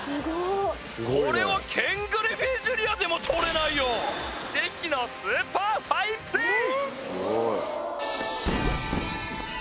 これはケン・グリフィーＪｒ．でもとれないよ奇跡のスーパーファインプレー！